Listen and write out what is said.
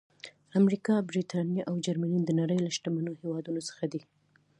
امریکا، برېټانیا او جرمني د نړۍ له شتمنو هېوادونو څخه دي.